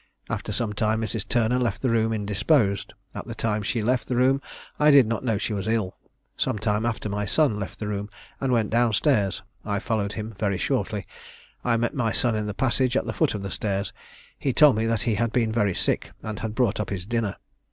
After some time Mrs. Turner left the room indisposed. At the time she left the room I did not know she was ill. Sometime after my son left the room, and went down stairs. I followed him very shortly. I met my son in the passage at the foot of the stairs: he told me that he had been very sick, and had brought up his dinner.